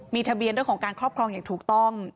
มีทะเบียนเรื่องของการครอบครองอย่างถูกต้อง